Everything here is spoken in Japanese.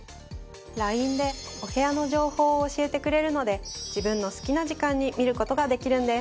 ＬＩＮＥでお部屋の情報を教えてくれるので自分の好きな時間に見ることができるんです。